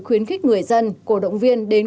khuyến khích người dân cổ động viên đến